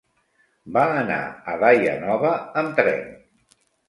Va anar a Daia Nova amb tren.